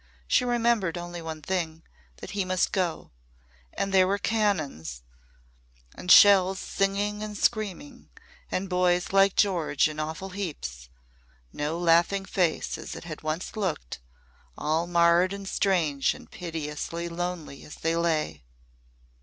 She remembered only one thing that he must go! And there were cannons and shells singing and screaming! And boys like George in awful heaps. No laughing face as it had once looked all marred and strange and piteously lonely as they lay.